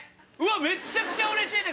めちゃくちゃうれしいんだけど！